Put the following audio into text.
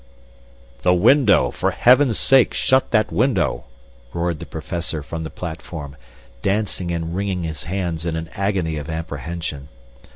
'The window! For heaven's sake shut that window!' roared the Professor from the platform, dancing and wringing his hands in an agony of apprehension.